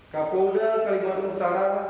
kapolda kalimantan utara